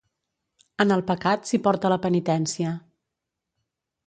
En el pecat s'hi porta la penitència.